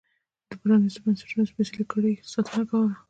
د پرانیستو بنسټونو سپېڅلې کړۍ ساتنه کوله.